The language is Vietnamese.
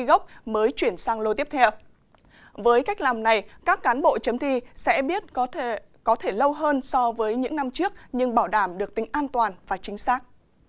với cách làm này các cán bộ chấm thi sẽ biết có thể lâu hơn so với những năm trước nhưng bảo đảm được tính an toàn và chính xác